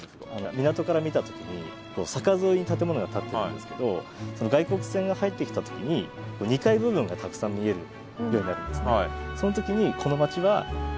港から見た時に坂沿いに建物が建ってるんですけど外国船が入ってきた時に２階部分がたくさん見えるようになるんですね。